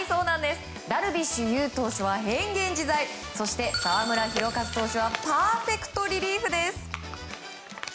ダルビッシュ有投手は変幻自在そして澤村拓一投手はパーフェクトリリーフです。